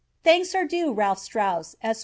Thanks are due Ralph Straus, Esq.